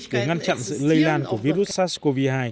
để ngăn chặn sự lây lan của virus sars cov hai